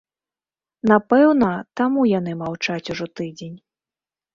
Напэўна, таму яны маўчаць ўжо тыдзень.